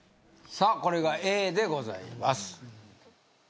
さあこれがＡでございます